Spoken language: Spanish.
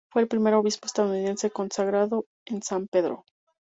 Fue el primer obispo estadounidense consagrado en San Pedro.